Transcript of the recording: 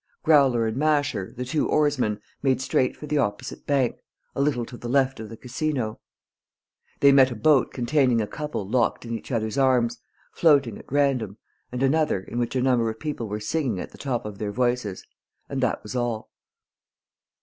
Growler and Masher, the two oarsmen, made straight for the opposite bank, a little to the left of the casino. They met a boat containing a couple locked in each other's arms, floating at random, and another in which a number of people were singing at the top of their voices. And that was all.